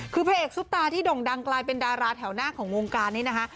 คือพระเอกซุปตาที่ด่งดังกลายเป็นดาราแถวหน้าของวงการนี้นะคะ